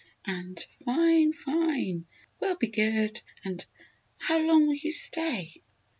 and "Fine! fine!" "We'll be good!" and "How long will you stay?"